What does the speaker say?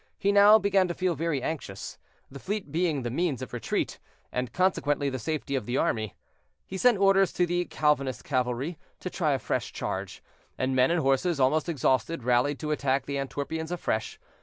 He now began to feel very anxious, the fleet being the means of retreat, and consequently the safety of the army. He sent orders to the Calvinist cavalry to try a fresh charge, and men and horses, almost exhausted, rallied to attack the Antwerpians afresh.